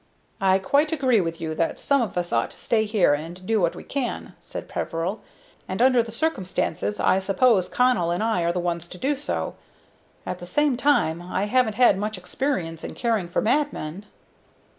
"I quite agree with you that some of us ought to stay here and do what we can," said Peveril; "and, under the circumstances, I suppose Connell and I are the ones to do so. At the same time, I haven't had much experience in caring for madmen."